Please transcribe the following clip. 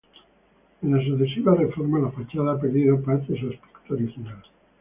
En las sucesivas reformas la fachada ha perdido parte de su aspecto original.